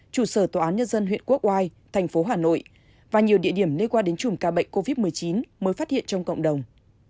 các dân huyện quốc ngoài thành phố hà nội và nhiều địa điểm lây qua đến chùm ca bệnh covid một mươi chín mới phát hiện trong cộng đồng